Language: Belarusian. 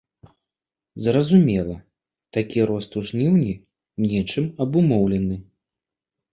Зразумела, такі рост у жніўні нечым абумоўлены.